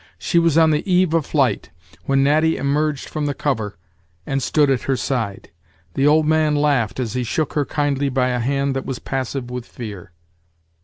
She was on the eve of flight, when Natty emerged from the cover, and stood at her side. The old man laughed as he shook her kindly by a hand that was passive with fear.